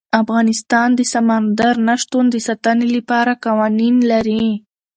افغانستان د سمندر نه شتون د ساتنې لپاره قوانین لري.